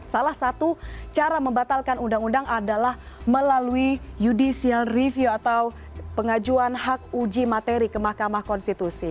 salah satu cara membatalkan undang undang adalah melalui judicial review atau pengajuan hak uji materi ke mahkamah konstitusi